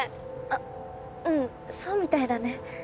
あうんそうみたいだね。